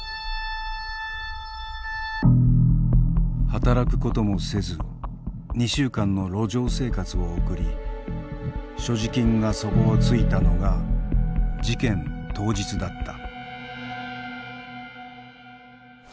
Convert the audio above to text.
働くこともせず２週間の路上生活を送り所持金が底をついたのが事件当日だった。